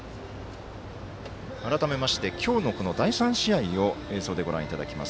改めまして、今日の第３試合を映像でご覧いただきます。